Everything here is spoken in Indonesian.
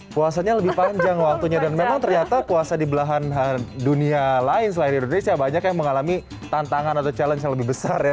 puasanya lebih panjang waktunya dan memang ternyata puasa di belahan dunia lain selain indonesia banyak yang mengalami tantangan atau challenge yang lebih besar ya